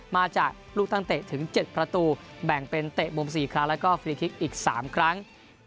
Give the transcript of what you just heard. มาจากลูกตั้งเตะถึง๗ประตูแบ่งเป็นเตะมุม๔ครั้งแล้วก็ฟรีคลิกอีก๓ครั้ง